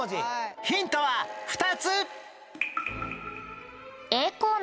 ヒントは２つ！